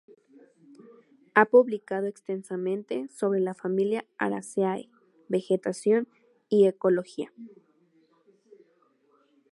Ha publicado extensamente sobre la familia Araceae, vegetación, y ecología.